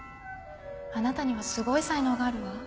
あなたにはすごい才能があるわ。